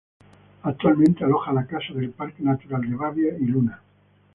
Actualmente aloja la Casa del Parque Natural de Babia y Luna.